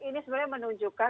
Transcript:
ini sebenarnya menunjukkan